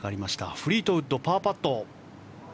フリートウッド、パーパット。